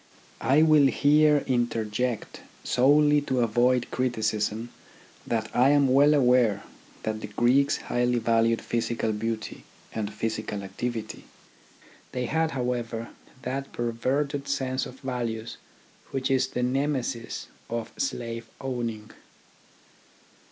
I will here interject, solely to avoid criticism, that I am well aware that the Greeks highly valued physical beauty and physical 42 THE ORGANISATION OF THOUGHT activity. They had, however, that perverted sense of values which is the nemesis of slave owning.